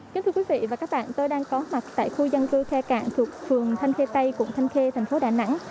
chào quý vị và các bạn tôi đang có mặt tại khu dân cư khe cạn thuộc phường thanh khe tây cục thanh khe thành phố đà nẵng